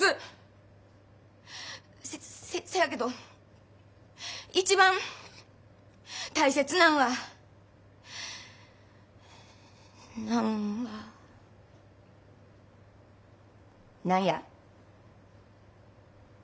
せせせやけど一番大切なんはなんは何や。